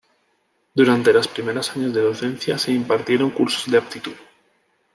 Durante los primeros años de docencia se impartieron Cursos de aptitud.